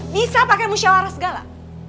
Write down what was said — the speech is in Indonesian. bisa pakai musyawarah segala